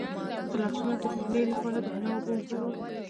د لاسونو د خولې لپاره د حنا اوبه وکاروئ